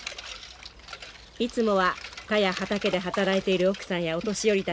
いつもは田や畑で働いている奥さんやお年寄りたちみんなが川に出ます。